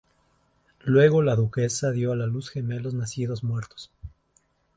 Luego la duquesa dio a luz gemelos nacidos muertos.